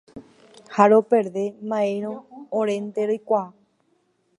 ha roperde mba'érõ orénte roikuaa.